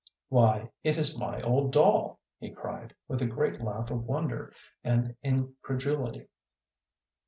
"Why, it is my old doll," he cried, with a great laugh of wonder and incredulity.